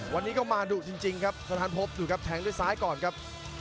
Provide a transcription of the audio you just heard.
วันนี้ก็มาดุจริงครับสถานพบดูครับแทงด้วยซ้ายก่อนครับ